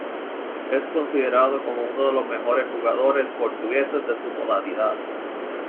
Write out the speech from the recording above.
Es considerado como uno de los mejores jugadores portugueses de su modalidad.